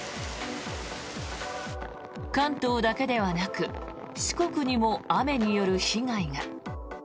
関東だけではなく、四国にも雨による被害が。